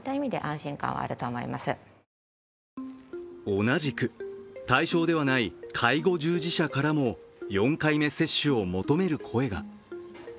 同じく対象ではない介護従事者からも４回目接種を求める声が。